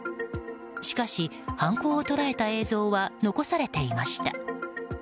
しかし、犯行を捉えた映像は残されていました。